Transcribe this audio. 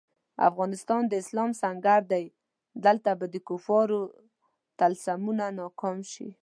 افغانستان د اسلام سنګر دی، دلته به د کفارو طلسمونه ناکام شي.